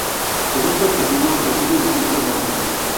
Según su objeto recibe distintos nombres.